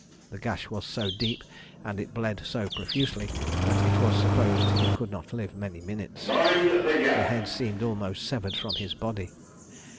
The gash was so deep, and it bled so profusely, that it was supposed he could not live many minutes. The head seemed almost severed from his body.